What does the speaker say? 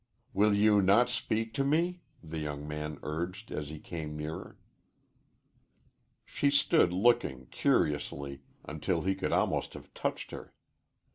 "Will you not speak to me?" the young man urged, as he came nearer. She stood looking, curiously, until he could almost have touched her.